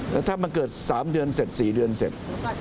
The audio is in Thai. แล้วถ้ามันเกิด๓เดือนเสร็จ๔เดือนเสร็จ